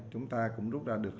chúng ta cũng rút ra được